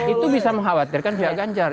itu bisa mengkhawatirkan pihak ganjar